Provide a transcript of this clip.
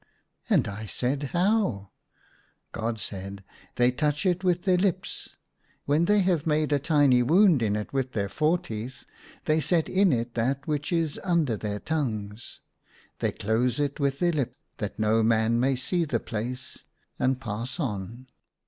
And I said, " How .?" God said, " They touch it with their lips, when they have made a tiny wound in it with their fore teeth they set in it that which is under their tongues : they close it with their lip — that no man may see the place, and pass on."